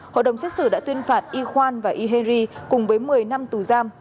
hội đồng xét xử đã tuyên phạt y khoan và y henry cùng với một mươi năm tù giam